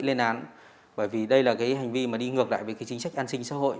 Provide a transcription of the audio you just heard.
đáng bị lên án bởi vì đây là cái hành vi mà đi ngược lại với cái chính sách an sinh xã hội